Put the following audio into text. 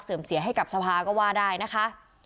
เสียให้กับสภาก็ว่าได้นะคะ